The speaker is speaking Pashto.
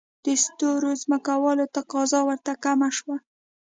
د سترو ځمکوالو تقاضا ورته کمه شوه.